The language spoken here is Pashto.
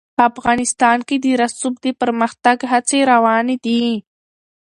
افغانستان کې د رسوب د پرمختګ هڅې روانې دي.